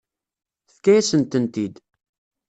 Tefka-yasen-tent-id.